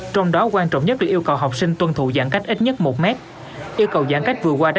trong đó quan trọng nhất được yêu cầu học sinh tuân thủ giãn cách ít nhất một mét